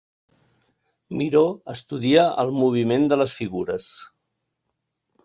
Miró estudia el moviment de les figures.